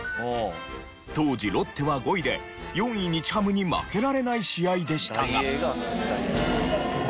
当時ロッテは５位で４位日ハムに負けられない試合でしたが。